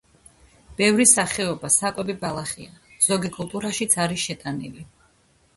ბევრი სახეობა საკვები ბალახია, ზოგი კულტურაშიც არის შეტანილი.